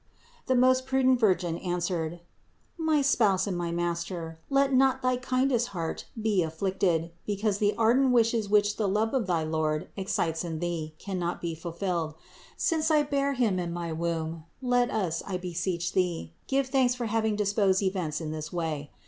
The most prudent Virgin answered: "My spouse and rny master, let not thy kindest heart be afflicted because the ardent wishes which the love of thy Lord excites in thee cannot be ful filled. Since I bear Him in my womb, let us, I beseech thee, give thanks for having disposed events in this way.